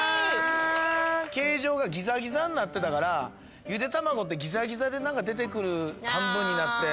形状がギザギザんなってたからゆで卵ってギザギザで出てくる半分になって。